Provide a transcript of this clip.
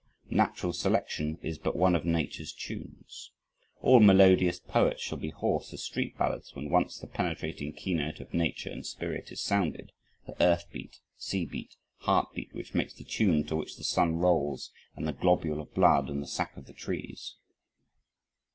Natural selection is but one of Nature's tunes. "All melodious poets shall be hoarse as street ballads, when once the penetrating keynote of nature and spirit is sounded the earth beat, sea beat, heart beat, which make the tune to which the sun rolls, and the globule of blood and the sap of the trees."